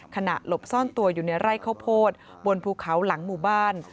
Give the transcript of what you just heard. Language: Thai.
หลบซ่อนตัวอยู่ในไร่ข้าวโพดบนภูเขาหลังหมู่บ้าน